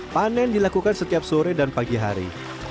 panen dilakukan setiap sore dan pagi hari